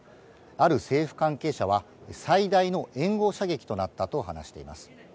ある政府関係者は、最大の援護射撃となったと話しています。